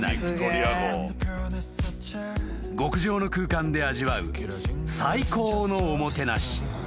［極上の空間で味わう最高のおもてなし］